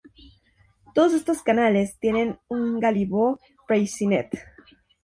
Todos estos canales tienen un gálibo Freycinet.